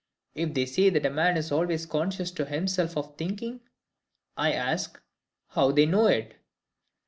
If they say that a man is always conscious to himself of thinking, I ask, How they know it?